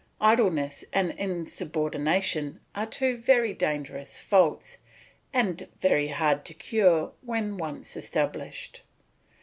Idleness and insubordination are two very dangerous faults, and very hard to cure when once established.